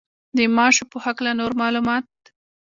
د ماشو په هکله نور معلومات.